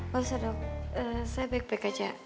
gak usah dok saya baik baik aja